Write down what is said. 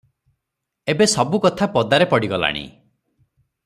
ଏବେ ସବୁ କଥା ପଦାରେ ପଡିଗଲାଣି ।